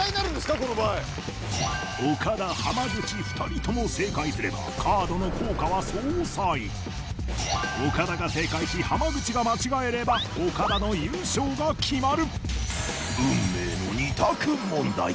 この場合岡田浜口２人とも正解すればカードの効果は相殺岡田が正解し浜口が間違えれば岡田の優勝が決まる！